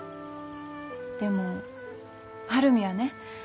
でも晴海はね